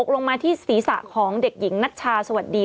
ลงมาที่ศีรษะของเด็กหญิงนัชชาสวัสดี